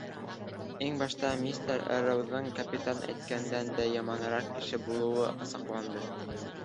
Иң башта мистер Эрроуҙың капитан әйткәндән дә яманыраҡ кеше булыуы асыҡланды.